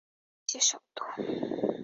এখন কিসের শব্দ?